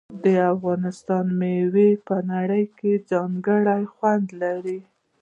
د افغانستان میوې په نړۍ کې ځانګړی خوند لري.